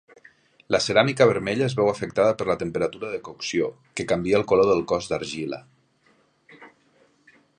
La ceràmica vermella es veu afectada per la temperatura de cocció, que canvia el color del cos d'argila.